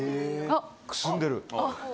くすんでる。